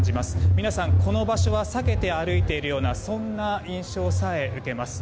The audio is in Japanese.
皆さん、この場所は避けて歩いているような印象さえ受けます。